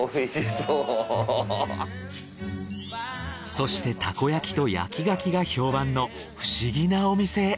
そしてたこ焼きと焼き牡蠣が評判の不思議なお店へ。